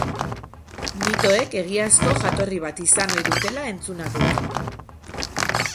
Mitoek egiazko jatorri bat izan ohi dutela entzuna dut.